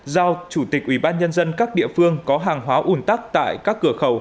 giao chủ tịch ủy ban nhân dân các địa phương có hàng hóa ùn tắc tại các cửa khẩu